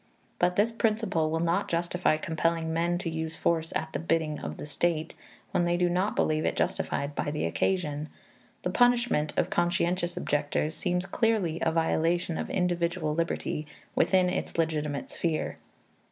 But this principle will not justify compelling men to use force at the bidding of the state, when they do not believe it justified by the occasion. The punishment of conscientious objectors seems clearly a violation of individual liberty within its legitimate sphere.